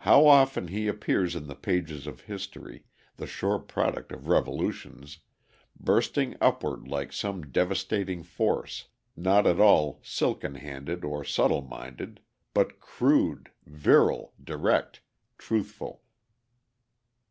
How often he appears in the pages of history, the sure product of revolutions, bursting upward like some devastating force, not at all silken handed or subtle minded, but crude, virile, direct, truthful.